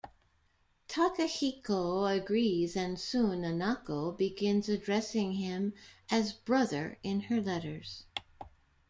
Takehiko agrees, and soon Nanako begins addressing him as "brother" in her letters.